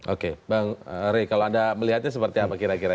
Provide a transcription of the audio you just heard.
oke bang rey kalau anda melihatnya seperti apa kira kira